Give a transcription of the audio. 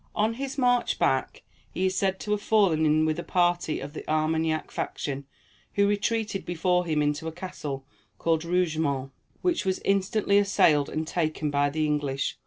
On his march back, he is said to have fallen in with a party of the Armagnac faction, who retreated before him into a castle called Rougemont, which was instantly assailed and taken by the English.